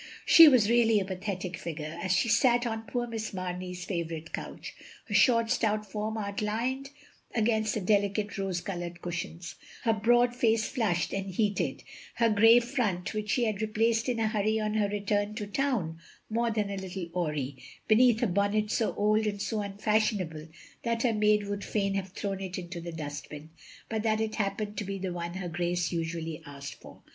She was really a pathetic figure, as she sat on poor Miss Mamey's favourite couch; her short stout form outUned against the delicate rose coloured cushions; her broad face flushed and heated; her grey front (which she had replaced in a hurry on her return to town) more than a lit tle awry, beneath a bonnet so old and so tmfash ionable that her maid would fain have thrown it into the dustbin, but that it happened to be the one her Grace usually asked for.